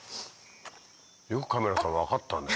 よくカメラさん分かったね。